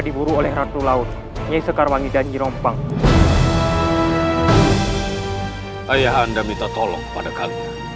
diburu oleh ratu laut nyesekarwangi dan nyerompang ayah anda minta tolong kepada kami